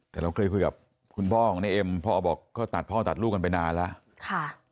แต่เราเคยคุยกับคุณพ่อของในเอ็มพ่อบอกก็ตัดพ่อตัดลูกกันไปนานแล้ว